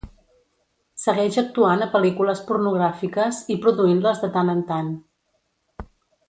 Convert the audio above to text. Segueix actuant a pel·lícules pornogràfiques i produint-les de tant en tant.